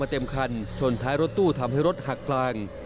เต็มคันชนท้ายรถตู้ทำให้รถหักกลาง